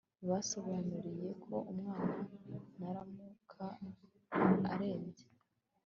basobanurire ko umwana naramuka arembye